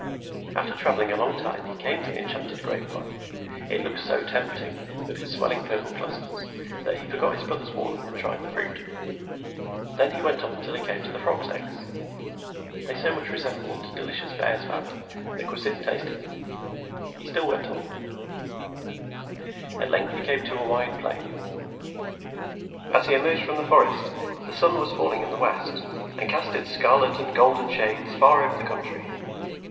After traveling a long time he came to the enchanted grape vine. It looked so tempting, with its swelling purple clusters, that he forgot his brother's warning and tried the fruit. Then he went on till he came to the frog's eggs. They so much resembled delicious bear's fat that Kwasynd tasted them. He still went on. At length he came to a wide plain. As he emerged from the forest the sun was falling in the west, and cast its scarlet and golden shades far over the country.